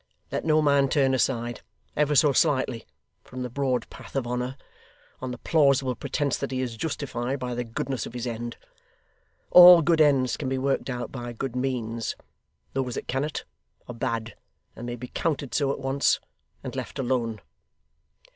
Let no man turn aside, ever so slightly, from the broad path of honour, on the plausible pretence that he is justified by the goodness of his end. All good ends can be worked out by good means. Those that cannot, are bad; and may be counted so at once, and left alone.